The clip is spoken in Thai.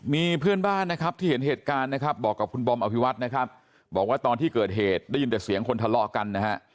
มีเพื่อนบ้านที่เห็นเหตุการณ์บอกกับคุณบอมอภิวัติตอนที่เกิดเหตุได้ยินแต่เสียงคนทะเลาะกัน